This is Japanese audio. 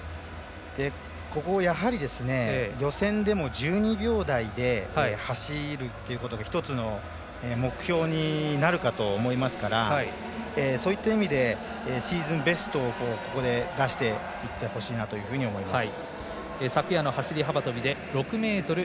ここをやはり、予選でも１２秒台で走るってことが１つの目標になるかと思いますからそういった意味でシーズンベストをここで出していってほしいなと思います。